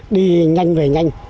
đi nhanh về nhanh